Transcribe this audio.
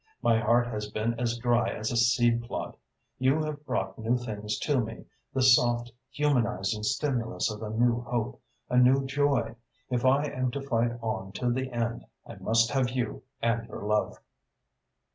My heart has been as dry as a seed plot. You have brought new things to me, the soft, humanising stimulus of a new hope, a new joy. If I am to fight on to the end, I must have you and your love."